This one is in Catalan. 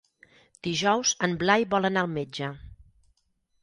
Dijous en Blai vol anar al metge.